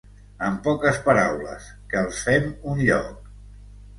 En poques paraules: que els fem un lloc.